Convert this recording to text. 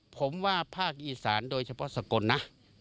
ผมว่าภาคอีสานโดยเฉพาะสกลนะ